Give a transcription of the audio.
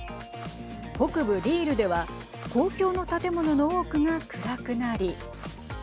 北部リールでは公共の建物の多くが暗くなり。